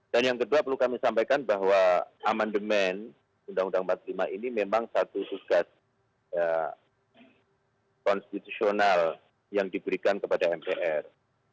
dan yang kedua perlu kami sampaikan bahwa amendement uu empat puluh lima ini memang satu tugas konstitusional yang diberikan kepada mpr